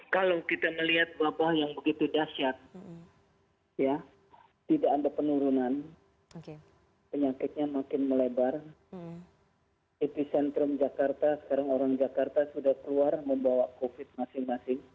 kalau kita melihat wabah yang begitu dahsyat tidak ada penurunan penyakitnya makin melebar epicentrum jakarta sekarang orang jakarta sudah keluar membawa covid masing masing